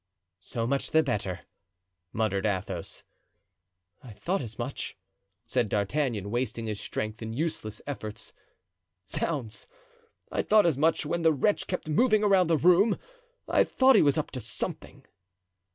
"So much the better," muttered Athos. "I thought as much," said D'Artagnan, wasting his strength in useless efforts. "Zounds, I thought as much when the wretch kept moving around the room. I thought he was up to something."